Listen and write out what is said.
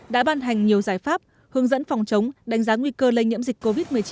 đã ban hành nhiều giải pháp hướng dẫn phòng chống đánh giá nguy cơ lây nhiễm dịch covid một mươi chín